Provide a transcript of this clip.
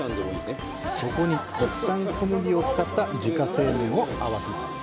そこに国産小麦を使った自家製麺を合わせます。